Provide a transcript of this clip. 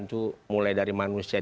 itu mulai dari manusia